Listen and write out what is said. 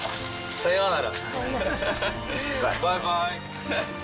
さようなら。